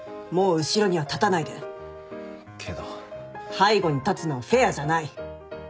背後に立つのはフェアじゃない。